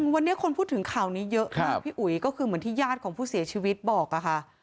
วันนี้คนพูดถึงข่าวนี้เยอะมากพี่อุ๋ยก็คือเหมือนที่ญาติของผู้เสียชีวิตบอกค่ะ